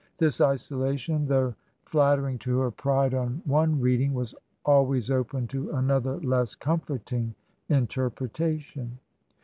This isolation, though flatter ing to her pride on one reading, was always open to another less comforting interpretation.